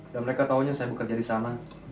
dan mereka tahunya saya bekerja di sana